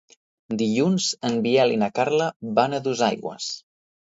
Dilluns en Biel i na Carla van a Dosaigües.